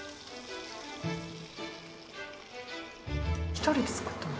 一人で作ったの？